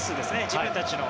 自分たちの。